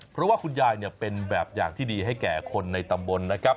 เพราะว่าคุณยายเนี่ยเป็นแบบอย่างที่ดีให้แก่คนในตำบลนะครับ